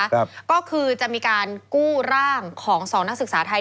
ก็คือจะมีการกู้ร่างของสองนักศึกษาไทย